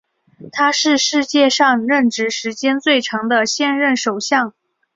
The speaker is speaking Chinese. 他是世界上任职时间最长的现任首相。